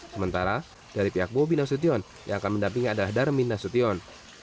sementara dari pihak bobi nasution yang akan mendampingi adalah darmin nasution